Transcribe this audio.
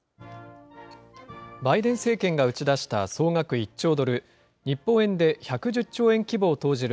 バイデン政権が打ち出した総額１兆ドル、日本円で１１０兆円規模を投じる